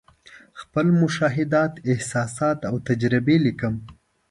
خپل مشاهدات، احساسات او تجربې لیکم.